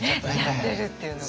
やってるっていうのが。